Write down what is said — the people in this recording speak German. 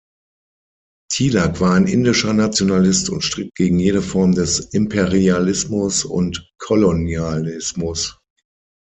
Tilak war ein indischer Nationalist und strikt gegen jede Form des Imperialismus und Kolonialismus.